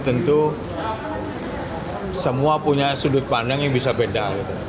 tentu semua punya sudut pandang yang bisa beda